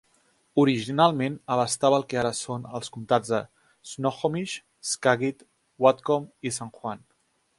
Originalment abastava el que ara són els comtats de Snohomish, Skagit, Whatcom i San Juan.